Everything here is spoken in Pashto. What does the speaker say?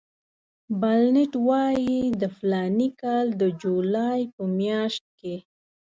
بلنټ وایي د فلاني کال د جولای په میاشت کې.